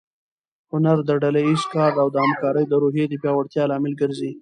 هنر د ډله ییز کار او د همکارۍ د روحیې د پیاوړتیا لامل ګرځي.